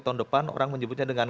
tahun depan orang menyebutnya dengan